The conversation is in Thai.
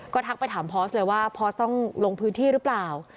ก็ทักไปถามพอร์สเลยว่าพอสต้องลงพื้นที่หรือเปล่า